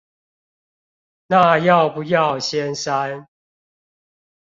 哪要不要先刪